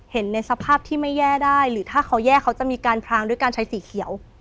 เห็นในสภาพที่ไม่แย่ได้หรือถ้าเขาแย่เขาจะมีการพรางด้วยการใช้สีเขียว